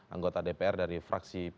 anggota dpr dari fraksi p tiga